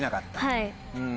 はい。